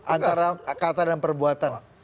antara kata dan perbuatan